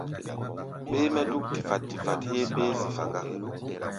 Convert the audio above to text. Béé-mɛ́ dúk difat-difat héé béé zifa gá.